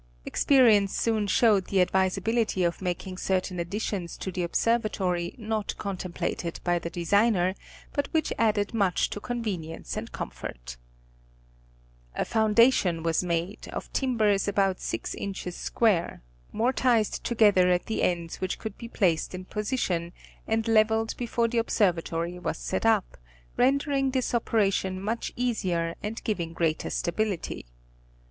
Experience soon showed the advisability of making certain additions to the observatory not contemplated by the designer, but which added much to convenience and comfort. _ Tedegraphic Determinations of Longitude. i A foundation was made, of timbers about six inches square, mor tised together at the ends which could be placed in position and leveled before the observatory was set up, rendering this operation much easier and giving greater stability.